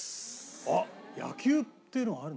あっ野球っていうのがあるのか。